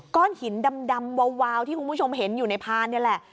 ก้อนหินดำวาวที่คุณผู้ชมเห็นอยู่ในพานนี่แหละ